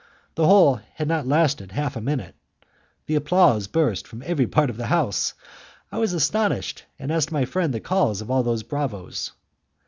The whole had not lasted half a minute. The applause burst from every part of the house. I was astonished, and asked my friend the cause of all those bravos.